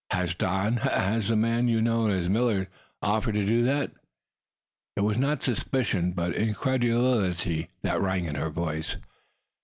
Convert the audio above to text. "Has Don has the man you know as Millard offered to do that?" It was not suspicion, but incredulity that rang in her voice.